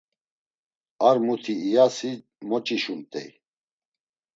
Ar muti iyasi moç̌işumt̆ey.